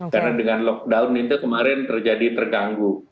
karena dengan lockdown itu kemarin terjadi terganggu